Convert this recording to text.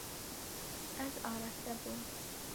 Ez araste bûm.